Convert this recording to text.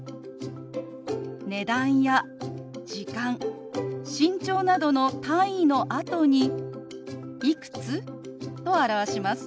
値段や時間身長などの単位のあとに「いくつ？」と表します。